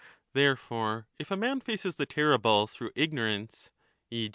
Therefore, if a man faces the terrible through ignorance (e.